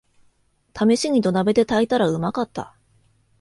ためしに土鍋で炊いたらうまかった